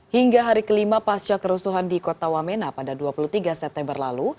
hingga hari kelima pasca kerusuhan di kota wamena pada dua puluh tiga september lalu